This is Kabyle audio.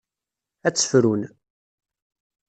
Ad tt-frun.